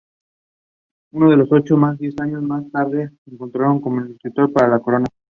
Impresionado, el rey ordenó deponer las armas y envió embajadores al Senado.